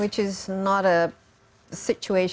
ini bukan situasi